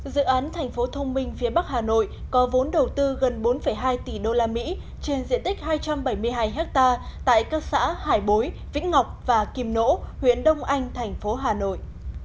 dự án thành phố thông minh phía bắc hà nội có vốn đầu tư gần bốn hai tỷ usd trên diện tích hai trăm bảy mươi hai ha tại các xã hải bối vĩnh ngọc và kim nỗ huyện đông anh thành phố hà nội